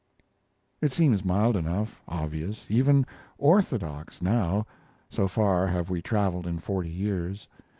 It seems mild enough, obvious, even orthodox, now so far have we traveled in forty years.